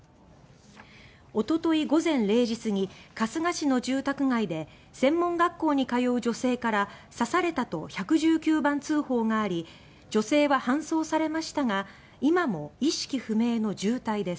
おととい午前０時過ぎ春日市の住宅街で専門学校に通う女性から刺されたと１１９番通報があり女性は搬送されましたが今も意識不明の重体です。